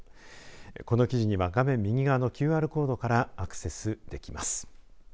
この記事には画面右側のＱＲコードからアクセスできます。